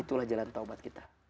itulah jalan taubat kita